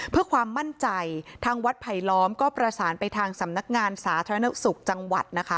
เพื่อความมั่นใจทางวัดไผลล้อมก็ประสานไปทางสำนักงานสาธารณสุขจังหวัดนะคะ